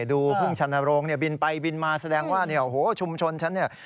พึ่งชนโรงเนี่ยบินไปบินมาแสดงว่าเนี่ยโอ้โหชุมชนฉันเนี่ย